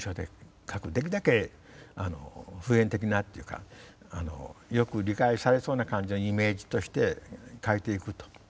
できるだけ普遍的なというかよく理解されそうな感じのイメージとして書いていくと。